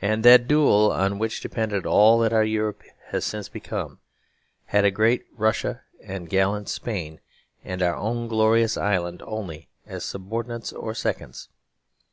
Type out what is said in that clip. And that duel, on which depended all that our Europe has since become, had great Russia and gallant Spain and our own glorious island only as subordinates or seconds.